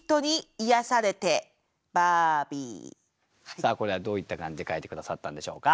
さあこれはどういった感じで書いて下さったんでしょうか。